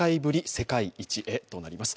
世界一へとなります。